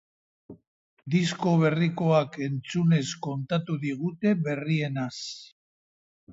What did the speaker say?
Disko berrikoak entzunez kontatu digute berrienaz.